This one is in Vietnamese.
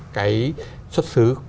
cái xuất xứ